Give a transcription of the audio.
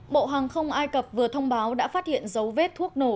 bộ hàng không ai cập vừa thông báo đã phát hiện dấu vết thuốc nổ